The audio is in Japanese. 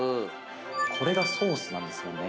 これがソースですもんね。